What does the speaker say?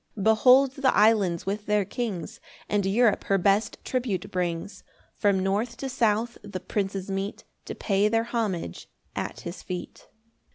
2 [Behold the islands with their kings, And Europe her best tribute brings; From north to south the princes meet To pay their homage at his feet.